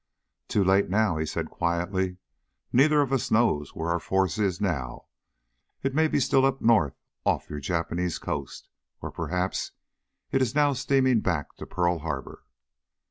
"Too late, now," he said quietly. "Neither of us knows where our force is now. It may still be up north off your Japanese coast, or perhaps it is now steaming back to Pearl Harbor."